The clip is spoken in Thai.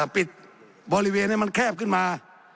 ปิดบริเวณให้มันแคบขึ้นมา